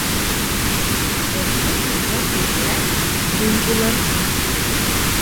Әсе һүҙгә түҙгән бей булыр